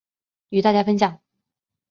与大家分享